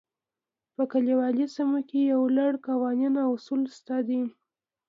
په کلیوالي سیمو کې یو لړ قوانین او اصول شته دي.